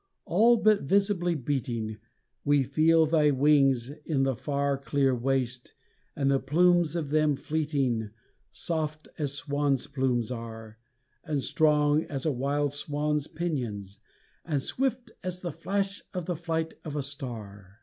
All but visibly beating We feel thy wings in the far Clear waste, and the plumes of them fleeting, Soft as swan's plumes are, And strong as a wild swan's pinions, and swift as the flash of the flight of a star.